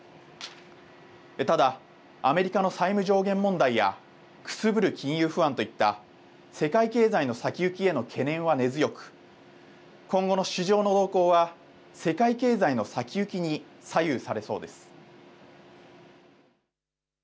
ただアメリカの債務上限問題やくすぶる金融不安といった世界経済の先行きへの懸念は根強く今後の市場の動向は世界経済の先行きに左右されそうです。